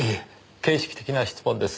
形式的な質問です。